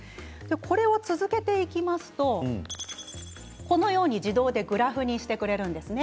これを続けていきますとこのように自動でグラフにしてくれるんですね。